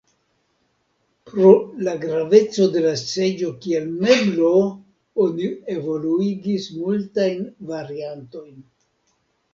Pro la graveco de la seĝo kiel meblo oni evoluigis multajn variantojn.